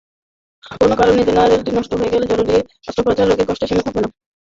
কোনো কারণে জেনারেটরটি নষ্ট হলে জরুরি অস্ত্রোপচারের রোগীদের কষ্টের সীমা থাকে না।